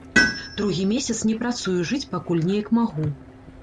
Другі месяц не працую, жыць пакуль неяк магу.